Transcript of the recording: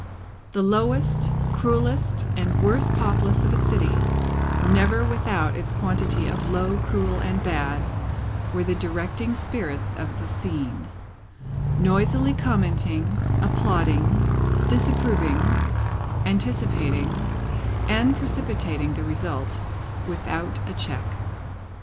The lowest, cruelest, and worst populace of a city, never without its quantity of low, cruel, and bad, were the directing spirits of the scene: noisily commenting, applauding, disapproving, anticipating, and precipitating the result, without a check.